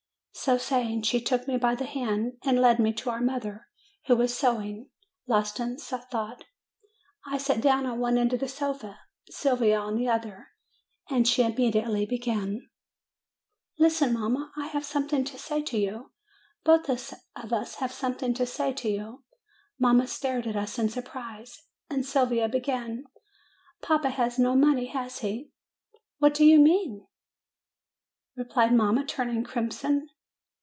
So saying, she took me by the hand and led me to our mother, who was sewing, lost in thought. I sat down on one end of the sofa, Sylvia on the other, and she immediately began: "Listen, mamma, I have something to say to you. Both of us have something to say to you." Mamma stared at us in surprise, and Sylvia began: 'Papa has no money, has he?" 'What do you mean? 1 ' replied mamma, turning crimson.